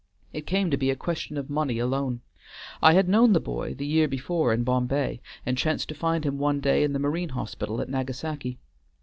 It came to be a question of money alone. I had known the boy the year before in Bombay and chanced to find him one day in the Marine Hospital at Nagasaki.